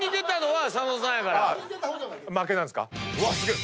うわっすげえ！